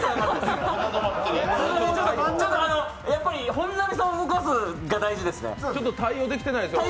本並さんを動かすのが大事ですね。